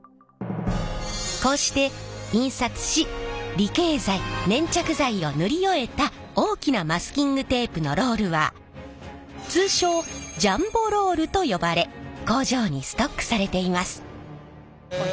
こうして印刷し離型剤粘着剤を塗り終えた大きなマスキングテープのロールは通称ジャンボロールと呼ばれ工場にストックされています。